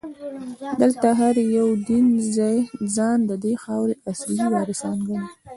دلته هر یو دین ځان ددې خاورې اصلي وارثان ګڼي.